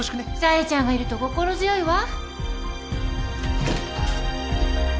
紗英ちゃんがいると心強いわ。